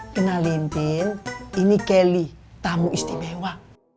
kenaliin pin ini kelly tamu istimewa